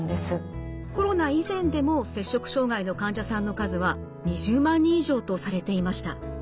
コロナ以前でも摂食障害の患者さんの数は２０万人以上とされていました。